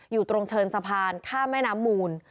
อยู่ตรงเชิงสะพานข้ามแม่น้ำมูล